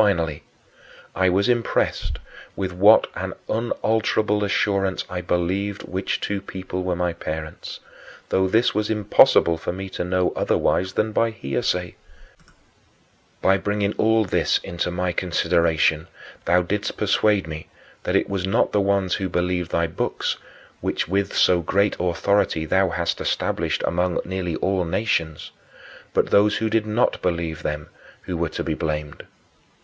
Finally, I was impressed with what an unalterable assurance I believed which two people were my parents, though this was impossible for me to know otherwise than by hearsay. By bringing all this into my consideration, thou didst persuade me that it was not the ones who believed thy books which with so great authority thou hast established among nearly all nations but those who did not believe them who were to be blamed.